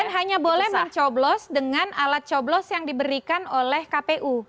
dan hanya boleh mencoblos dengan alat coblos yang diberikan oleh kpu